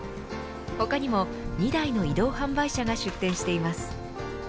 他にも２台の移動販売車が出店しています。